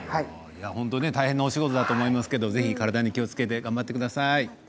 大変なお仕事だと思いますけれど体に気をつけて頑張ってください。